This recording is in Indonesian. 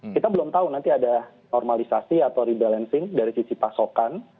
kita belum tahu nanti ada normalisasi atau rebalancing dari sisi pasokan